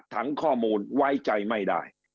ถังข้อมูลไว้ใจไม่ได้